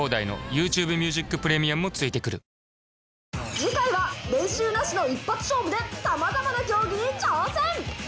次回は練習なしの一発勝負でさまざまな競技に挑戦！